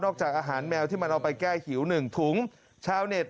จากอาหารแมวที่มันเอาไปแก้หิวหนึ่งถุงชาวเน็ต